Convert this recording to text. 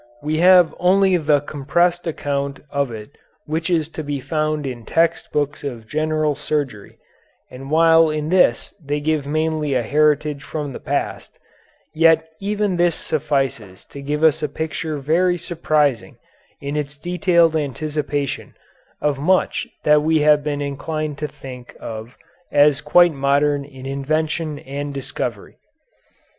We have only the compressed account of it which is to be found in text books of general surgery, and while in this they give mainly a heritage from the past, yet even this suffices to give us a picture very surprising in its detailed anticipation of much that we have been inclined to think of as quite modern in invention and discovery.